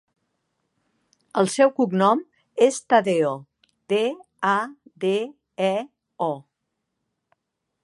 El seu cognom és Tadeo: te, a, de, e, o.